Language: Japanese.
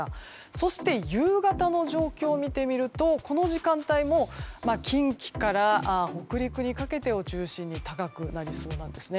そして夕方の状況を見てみるとこの時間帯も近畿から北陸にかけてを中心に高くなりそうです。